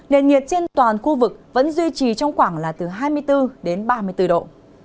nền nhiệt trên toàn khu vực vẫn duy trì trong khoảng là từ hai mươi bốn đến ba mươi bốn độ